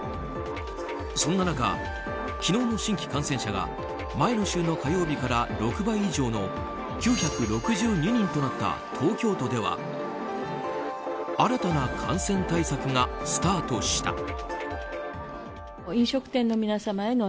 そんな中、昨日の新規感染者が前の週の火曜日から６倍以上の９６２人となった東京都では新たな感染対策がスタートした。